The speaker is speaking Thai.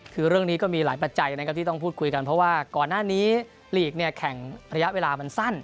คือเรื่องนี้ก็มีหลายปัจจัยนะครับที่ต้องพูดคุยกันเพราะว่าก่อนหน้านี้ลีกเนี่ยแข่งระยะเวลามันสั้น